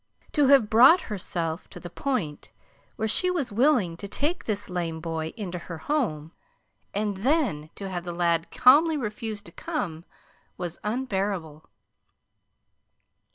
To have brought herself to the point where she was willing to take this lame boy into her home, and then to have the lad calmly refuse to come, was unbearable.